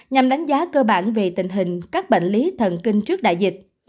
nhằm đánh giá cơ bản về tình hình các bệnh lý thần kinh trước đại dịch